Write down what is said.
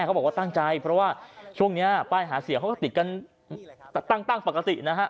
เขาบอกว่าตั้งใจเพราะว่าช่วงนี้ป้ายหาเสียงเขาก็ติดกันตั้งปกตินะฮะ